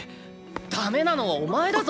ダメなのはお前だぞ！